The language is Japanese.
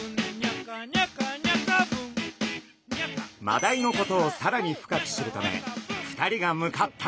マダイのことをさらに深く知るため２人が向かったのは。